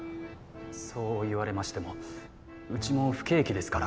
そう言われましてもうちも不景気ですから。